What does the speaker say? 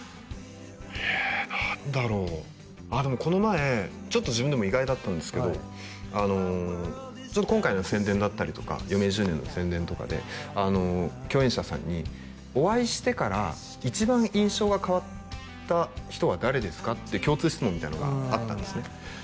え何だろうあでもこの前ちょっと自分でも意外だったんですけどあの今回の宣伝だったりとか「余命１０年」の宣伝とかで共演者さんにお会いしてから一番印象が変わった人は誰ですかって共通質問みたいなのがあったんですね